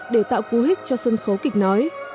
để tạo cú hích cho sân khấu kịch nói